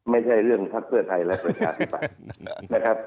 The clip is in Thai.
ไม่ใช่เรื่องทักเกอร์ไทยและเศรษฐภัณฑ์